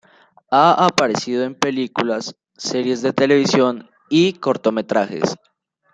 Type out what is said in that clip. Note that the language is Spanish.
Ha aparecido en películas, series de televisión y cortometrajes.